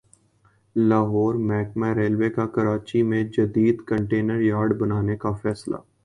لاہور محکمہ ریلوے کا کراچی میں جدید کنٹینر یارڈ بنانے کا فیصلہ